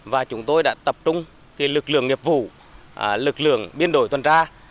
và chúng tôi đã tập trung lực lượng nghiệp vụ lực lượng biên đổi tuần tra